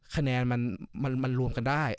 คะแนนมันรวมกันได้